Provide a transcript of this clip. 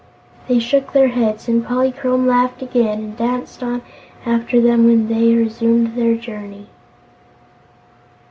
They shook their heads, and Polychrome laughed again and danced on after them when they resumed their journey.